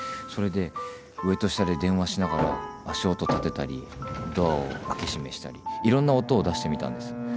それで上と下で電話しながら足音たてたりドアを開け閉めしたりいろんな音を出してみたんです。